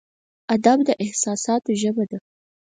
ادب د احساساتو ژبه ده.